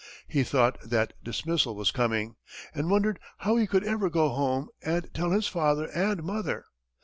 He thought that dismissal was coming, and wondered how he could ever go home and tell his father and mother!